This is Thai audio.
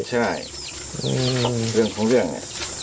ใช่เรื่องของเรื่องเนี่ย